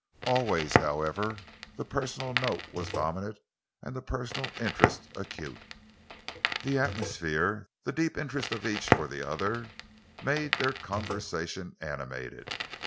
Always, however, the personal note was dominant and the personal interest acute. That atmosphere—the deep interest of each for the other—made their conversation animated.